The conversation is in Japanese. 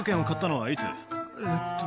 えっと。